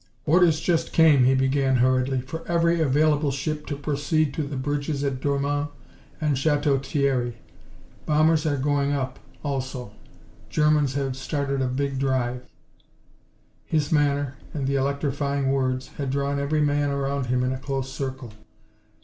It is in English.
"Orders just came," he began, hurriedly, "for every available ship to proceed to the bridges at Dormans and Chateau Thierry. Bombers are going up, also. The Germans have started a big drive." His manner, and the electrifying words, had drawn every man around him in a close circle.